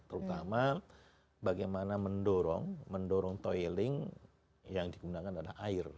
terutama bagaimana mendorong mendorong toiling yang digunakan adalah air